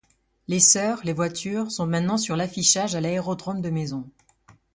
Les sœurs, les voitures sont maintenant sur l'affichage à l'Aérodrome de Maison.